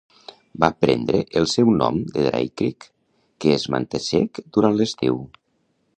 Va prendre el seu nom de Dry Creek, que es manté sec durant l'estiu.